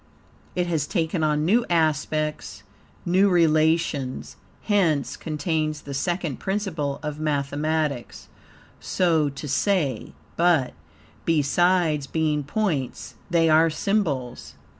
It has taken on new aspects, new relations, hence contains the second principle of mathematics, so to say; but, besides being points, THEY ARE SYMBOLS.